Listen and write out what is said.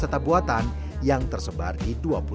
ini dimana berapa rgb